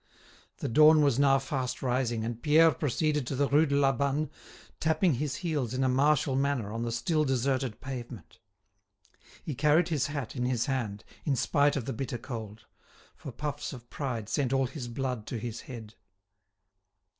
The dawn was now fast rising, and Pierre proceeded to the Rue de la Banne, tapping his heels in a martial manner on the still deserted pavement. He carried his hat in his hand in spite of the bitter cold; for puffs of pride sent all his blood to his head.